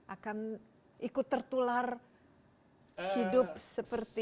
akan ikut tertular hidup seperti